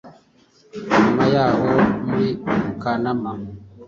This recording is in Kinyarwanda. nyuma y’aho muri Kanama.